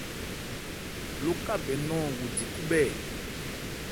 Lókabɛn nɔ̂n wo di khúbhɛ́ ɛ ?